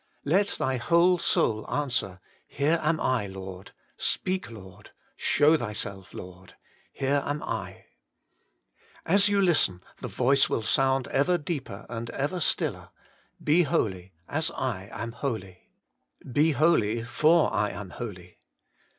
Let thy whole soul answer, Here am I, Lord ! Speak, Lord ! Show Thyself, Lord ! Here am I. As you listen, the voice will sound ever deeper and ever stiller : Be holy, as I am holy. Be holy, for I am holy.